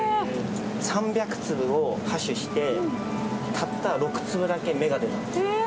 ３００粒を播種してたった６粒だけ芽が出たんですよ。